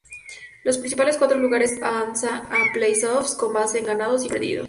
Los primeros cuatro lugares avanzan a los Play-offs, con base en ganados y perdidos.